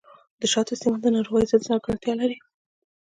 د شاتو استعمال د ناروغیو ضد ځانګړتیا لري.